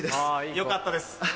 よかったです。